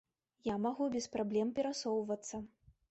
Я магу без праблем перасоўвацца.